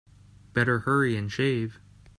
Better hurry and shave.